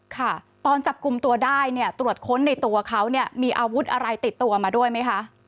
ค่ะตอนจับกลุ่มตัวได้เนี่ยตรวจค้นในตัวเขาเนี่ยมีอาวุธอะไรติดตัวมาด้วยไหมคะ